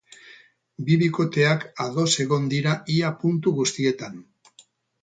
Bi bikoteak ados egon dira ia puntu guztietan.